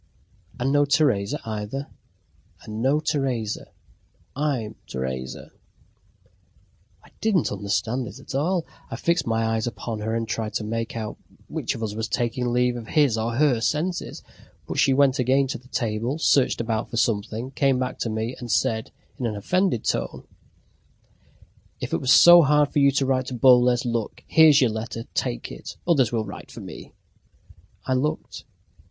"And no Teresa either?" "And no Teresa. I'm Teresa." I didn't understand it at all. I fixed my eyes upon her, and tried to make out which of us was taking leave of his or her senses. But she went again to the table, searched about for something, came back to me, and said in an offended tone: "If it was so hard for you to write to Boles, look, there's your letter, take it! Others will write for me." I looked.